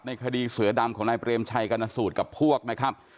คดีเสือดำของนายเปรมชัยกรณสูตรกับพวกนะครับ